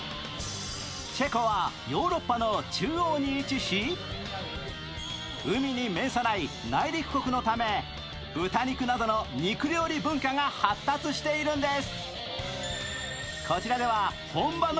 チェコはヨーロッパの中央に位置し、海に面さない内陸国のため豚肉などの肉料理文化が発達しているんです。